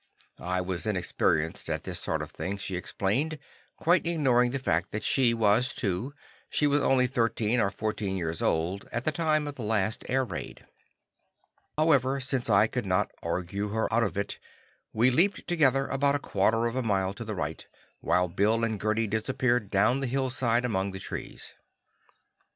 I was inexperienced at this sort of thing, she explained, quite ignoring the fact that she was too; she was only thirteen or fourteen years old at the time of the last air raid. However, since I could not argue her out of it, we leaped together about a quarter of a mile to the right, while Bill and Gerdi disappeared down the hillside among the trees.